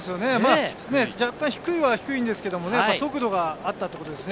若干低いは低いんですけど、速度があったということですね。